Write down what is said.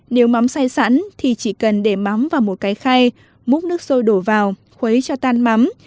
nếu mắm say sẵn thì chỉ cần để mắm vào một cái khay múc nước sôi đổ vào khuấy cho tan mắm